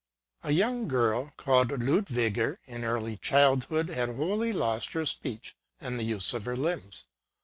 A young girl, called Ludwiger, in early childhood had wholly lost her speech and the use of her limbs.